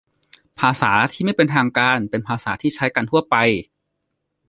ภาษาไม่เป็นทางการเป็นภาษาที่ใช้กันทั่วไป